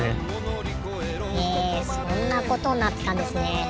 へえそんなことになってたんですね。